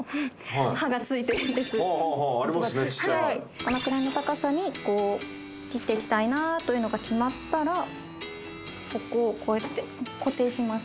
このくらいの高さにこう切っていきたいなというのが決まったらここをこうやって固定します